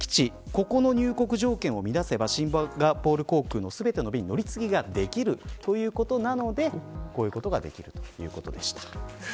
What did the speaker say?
そこの入国条件を満たせばシンガポール航空の全ての便に乗り継ぎができるということなのでこういうことができるということでした。